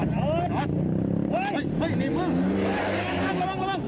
เฮ้ย